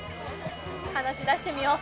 話し出してみよう。